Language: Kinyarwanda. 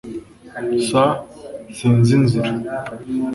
s sinzi inzira